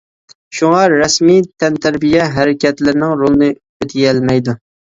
شۇڭا رەسمىي تەنتەربىيە ھەرىكەتلىرىنىڭ رولىنى ئۆتىيەلمەيدۇ.